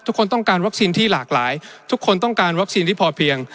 ทุกคนต้องการวัคซีนที่หลากหลายทุกคนต้องการวัคซีนที่พอเพียง